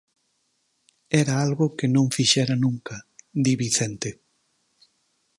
"Era algo que non fixera nunca", di Vicente.